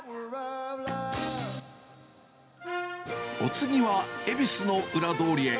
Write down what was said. お次は、恵比寿の裏通りへ。